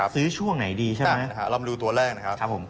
ซื้อช่วงไหนดีเรามาดูตัวแรก